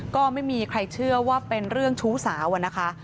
ก็ไม่มีใครเชื่อว่าเป็นเรื่องชู้สาวอะนะคะ